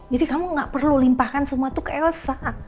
jadi kamu gak perlu limpahkan semua itu ke elsa